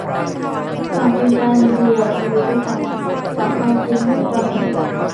สั่งเป็นจานเดียว หรือจะสั่งเป็นกับมากินด้วยกัน